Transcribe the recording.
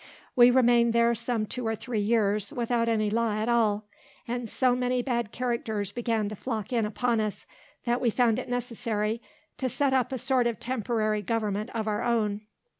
We remained here some two or three years, without any law at all; and so many bad characters began to flock in upon us, that we found it necessary to set up a sort of temporary government of our own.